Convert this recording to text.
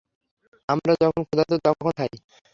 আমরা যখন ক্ষুধার্ত তখন খাই।